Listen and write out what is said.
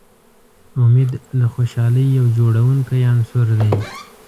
امید د خوشحالۍ یو جوړوونکی عنصر دی.